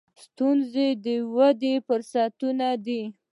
• ستونزې د ودې فرصتونه دي.